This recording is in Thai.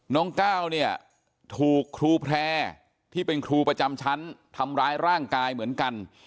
น้องก้าวเนี่ยถูกครูแพร่ที่เป็นครูประจำชั้นทำร้ายร่างกายเหมือนกัน